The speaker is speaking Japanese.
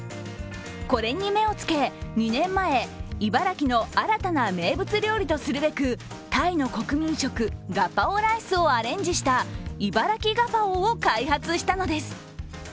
これに目をつけ、２年前茨城の新たな名物料理とするべくタイの国民食、ガパオライスをアレンジしたいばらきガパオを開発したのです。